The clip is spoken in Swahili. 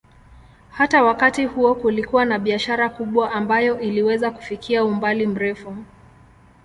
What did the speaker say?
Hata wakati huo kulikuwa na biashara kubwa ambayo iliweza kufikia umbali mrefu.